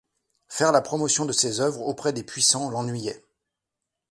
Faire la promotion de ses œuvres auprès des puissants l'ennuyait.